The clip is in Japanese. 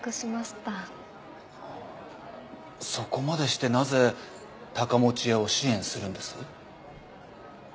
そこまでしてなぜ高持屋を支援するんです？